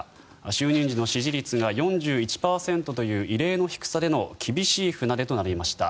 就任時の支持率が４１％という異例の低さでの厳しい船出となりました。